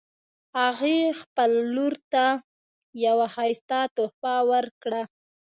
هغې خپل لور ته یوه ښایسته تحفه ورکړه